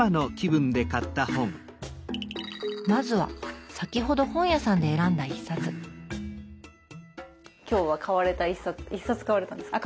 まずは先ほど本屋さんで選んだ一冊今日は買われた１冊１冊買われたんですか？